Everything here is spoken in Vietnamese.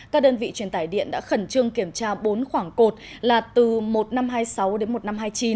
các đơn vị truyền tải điện đã khẩn trương kiểm tra bốn khoảng cột là từ một nghìn năm trăm hai mươi sáu đến một nghìn năm trăm hai mươi chín